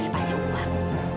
bukannya pasti uang